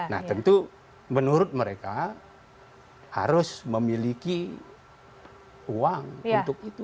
nah tentu menurut mereka harus memiliki uang untuk itu